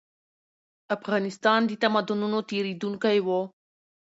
افغانستان د تمدنونو تېرېدونکی و.